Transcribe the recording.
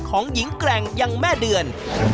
ของหญิงแกร่งยังแม่เดือน